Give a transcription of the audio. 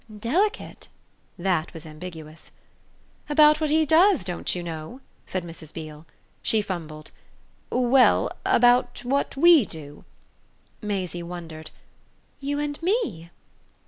"Delicate?" that was ambiguous. "About what he does, don't you know?" said Mrs. Beale. She fumbled. "Well, about what WE do." Maisie wondered. "You and me?"